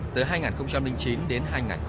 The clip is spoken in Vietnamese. từ hai nghìn chín đến hai nghìn một mươi ba